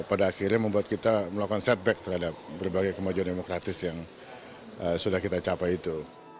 pada akhirnya membuat kita melakukan setback terhadap berbagai kemajuan demokratis yang sudah kita capai itu